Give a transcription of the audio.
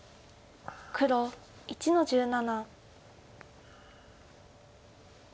黒１の十七。